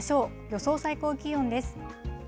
予想最高気温です。